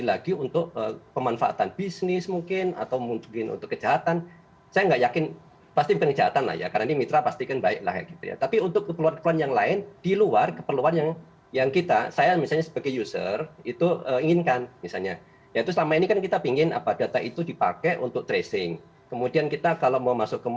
dan memastikan bahwa data pribadi yang sekarang dikelola di aplikasi peduli lindungi ini aman